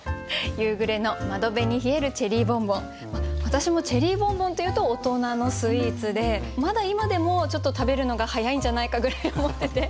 私もチェリーボンボンというと大人のスイーツでまだ今でもちょっと食べるのが早いんじゃないかぐらい思ってて。